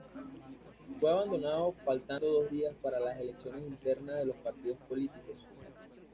Fue abandonado faltando dos días para las elecciones internas de los partidos políticos.